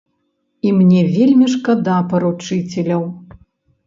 І мне вельмі шкада паручыцеляў.